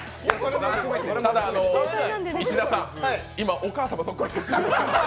ただ、石田さん、今、お母様そっくりです。